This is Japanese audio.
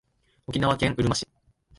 沖縄県うるま市